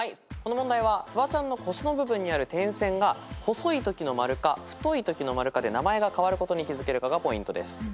この問題はフワちゃんの腰の部分にある点線が細いときの丸か太いときの丸かで名前が変わることに気付けるかがポイントです。